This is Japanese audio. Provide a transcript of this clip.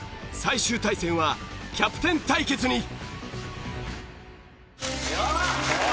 最終対戦はキャプテン対決に。